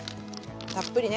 たっぷりね。